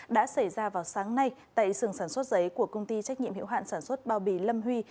đã xảy ra vào sáng nay tại sườn sản xuất giấy của công ty trách nhiệm hiệu hạn sản xuất bao bì lâm huy